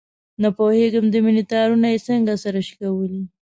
نه پوهېږم د مینې تارونه یې څنګه سره شکولي.